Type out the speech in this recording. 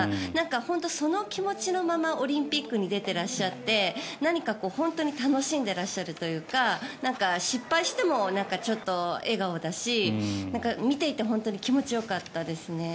本当にその気持ちのままオリンピックに出ていらっしゃって何か楽しんでいらっしゃるというか失敗してもちょっと笑顔だし見ていて本当に気持ちよかったですね。